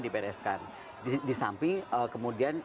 dipereskan di samping kemudian